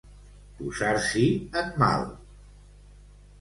Posar-s'hi en mal.